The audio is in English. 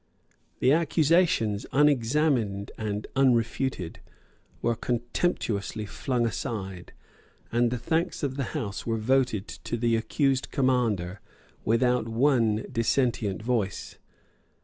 The accusations, unexamined and unrefuted, were contemptuously flung aside; and the thanks of the House were voted to the accused commander without one dissentient voice.